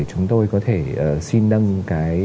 chúng tôi có thể xin nâng cái